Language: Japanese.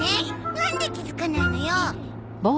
なんで気づかないのよ。